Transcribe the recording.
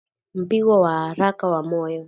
Mpigo wa haraka wa moyo